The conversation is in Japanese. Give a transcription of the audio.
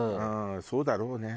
そうだろうね。